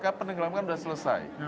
karena penenggelamkan sudah selesai